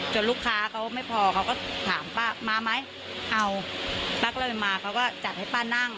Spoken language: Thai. ลูกค้าเขาไม่พอเขาก็ถามป้ามาไหมเอาป้าก็เลยมาเขาก็จัดให้ป้านั่ง